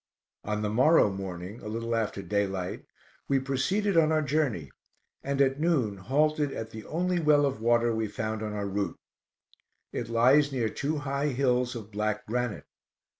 On the morrow morning, a little after day light, we proceeded on our journey, and at noon halted at the only well of water we found on our route. It lies near two high hills of black granite.